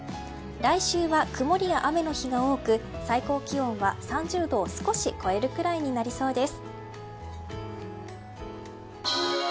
来週は曇りや雨の日が多く最高気温は３０度を少し超えるくらいになりそうです。